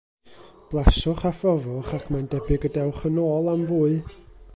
Blaswch a phrofwch, ac mae'n debyg y dewch yn ôl am fwy.